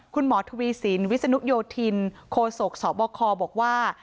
คุณหมอทวีสินวิศนุโยธินโคศกสบคบอกว่า